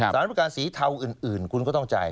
ประการสีเทาอื่นคุณก็ต้องจ่าย